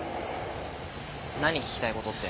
何聞きたいことって。